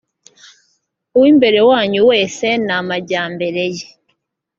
uw’imbere wanyu wese n’amajyambere ye